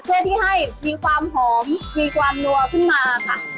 เพื่อที่ให้มีความหอมมีความนัวขึ้นมาค่ะ